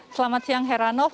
selamat siang heranov